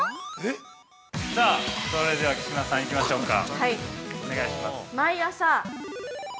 ◆さあ、それでは木嶋さん行きましょうか。